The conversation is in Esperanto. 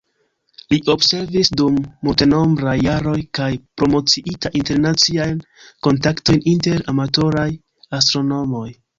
Li observis dum multenombraj jaroj kaj promociita internaciajn kontaktojn inter amatoraj astronomoj.